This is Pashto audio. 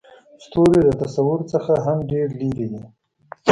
ستوري د تصور نه هم ډېر لرې دي.